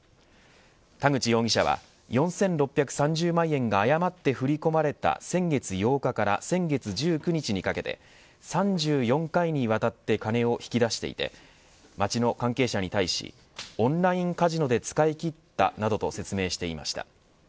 田口容疑者は４６３０万円が誤って振り込まれた先月８日から先月１９日にかけて３４回にわたって金を引き出していて町の関係者に対しオンラインカジノで使い切ったなどと説明していました。